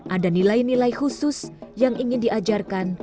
ada nilai nilai khusus yang ingin diajarkan